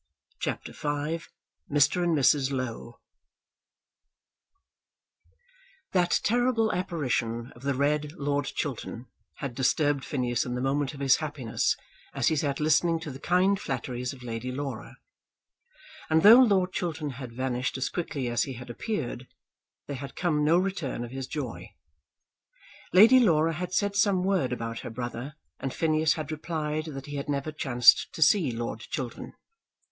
CHAPTER V Mr. and Mrs. Low That terrible apparition of the red Lord Chiltern had disturbed Phineas in the moment of his happiness as he sat listening to the kind flatteries of Lady Laura; and though Lord Chiltern had vanished as quickly as he had appeared, there had come no return of his joy. Lady Laura had said some word about her brother, and Phineas had replied that he had never chanced to see Lord Chiltern.